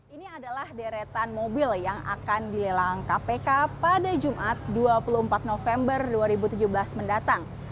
ini adalah deretan mobil yang akan dilelang kpk pada jumat dua puluh empat november dua ribu tujuh belas mendatang